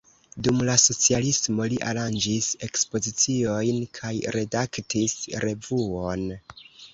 Dum la socialismo li aranĝis ekspoziciojn kaj redaktis revuon.